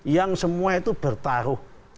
yang semua itu bertaruh